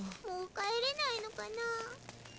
もうかえれないのかな？